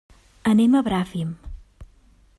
Anem a Bràfim.